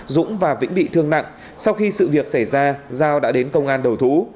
dũng và vĩnh bị thương nặng sau khi sự việc xảy ra giao đã đến công an đầu thú